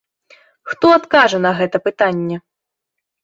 Хто адкажа на гэта пытанне?